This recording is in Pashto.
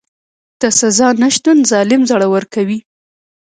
د سزا نشتون ظالم زړور کوي.